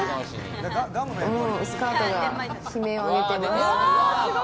もうスカートが悲鳴を上げています。